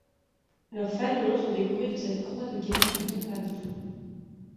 Leurs fanions sont décorés de cette croix de guerre avec deux palmes.